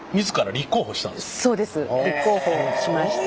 立候補しました。